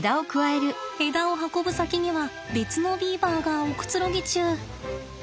枝を運ぶ先には別のビーバーがおくつろぎ中。